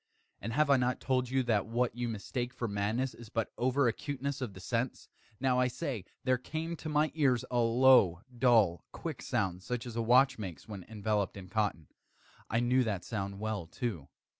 And have I not told you that what you mistake for madness is but over acuteness of the sense? now, I say, there came to my ears a low, dull, quick sound, such as a watch makes when enveloped in cotton. I knew that sound well, too.